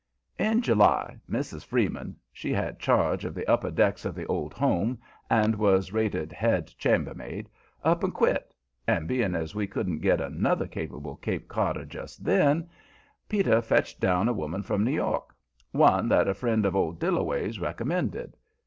In July, Mrs. Freeman she had charge of the upper decks in the "Old Home" and was rated head chambermaid up and quit, and being as we couldn't get another capable Cape Codder just then, Peter fetched down a woman from New York; one that a friend of old Dillaway's recommended.